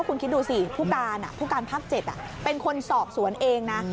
คุณคิดดูซิผู้การพัก๗เป็นคนสอบสวนเองนะ